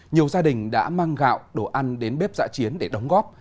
nhiều gia đình đã mang gạo đồ ăn đến bếp giã chiến để đóng góp